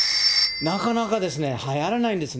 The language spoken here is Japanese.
なかなかですね、はやらないんですね。